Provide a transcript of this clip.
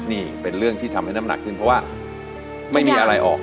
นี่เป็นเรื่องที่ทำให้น้ำหนักขึ้นเพราะว่าไม่มีอะไรออก